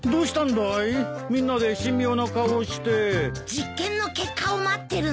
実験の結果を待ってるんだよ。